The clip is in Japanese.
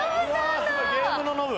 ゲームのノブ。